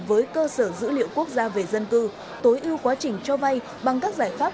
với cơ sở dữ liệu quốc gia về dân cư tối ưu quá trình cho vay bằng các giải pháp